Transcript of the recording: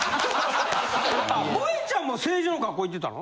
もえちゃんも成城の学校行ってたの？